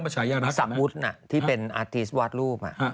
เหมือนอย่างนี้สับวุฒน่ะที่เป็นอาร์ตีสต์วาดรูป